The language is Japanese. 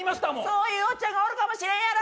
そういうおっちゃんがおるかもしれんやろ！